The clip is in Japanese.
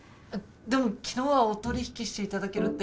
でも昨日はお取り引きしていただけるって。